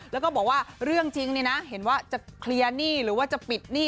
แล้วก็บอกว่าเรื่องจริงเนี่ยนะเห็นว่าจะเคลียร์หนี้หรือว่าจะปิดหนี้